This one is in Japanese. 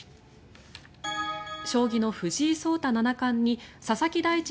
将棋の藤井聡太七冠に佐々木大地